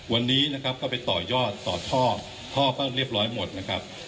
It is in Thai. วันนี้นะครับก็ไปต่อยอดต่อท่อท่อก็เรียบร้อยหมดนะครับ